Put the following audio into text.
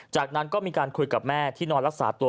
จากนั้นก็มีการคุยกับแม่ที่นอนรักษาตัว